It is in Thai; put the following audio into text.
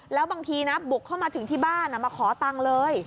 แล้วบางทีนะบุกเข้ามาถึงที่บ้านมาขอตังค์เลย